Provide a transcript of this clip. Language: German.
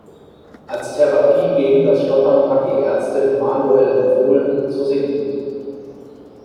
Als Therapie gegen das Stottern hat die Ärztin Manuel empfohlen zu singen.